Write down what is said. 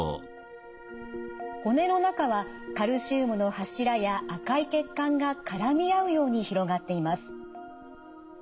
骨の中はカルシウムの柱や赤い血管が絡み合うように広がっています。